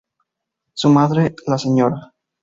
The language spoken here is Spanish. Su madre la Sra.